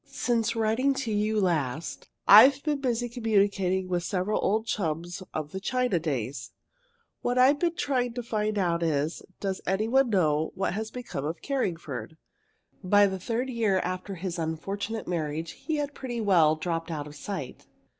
Since writing to you last I've been busy communicating with several old chums of the China days. What I've been trying to find out is, does any one know what has become of Carringford? By the third year after his unfortunate marriage he had pretty well dropped out of sight.